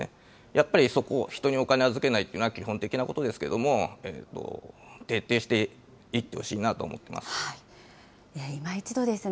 やっぱりそこを、人にお金を預けないというのは基本的なことですけれども、徹底していってほしいなと思っています。